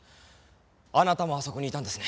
あなたもあそこにいたんですね。